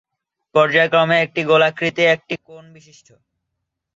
পর্যায়ক্রমে একটি গোলাকৃতি একটি কোণ-বিশিষ্ট।